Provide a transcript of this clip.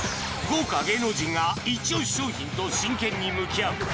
豪華芸能人がイチ押し商品と真剣に向き合う